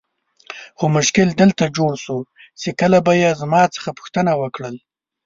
خو مشکل دلته جوړ سو چې کله به یې زما څخه پوښتنه وکړل.